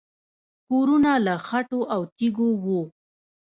کورونه له خټو او تیږو وو